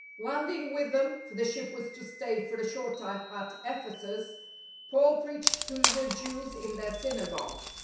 Landing with them, for the ship was to stay for a short time at Ephesus, Paul preached to the Jews in their synagogue.